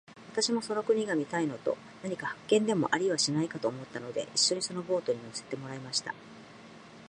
私もその国が見たいのと、何か発見でもありはしないかと思ったので、一しょにそのボートに乗せてもらいました。